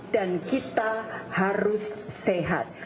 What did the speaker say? dan kita harus sehat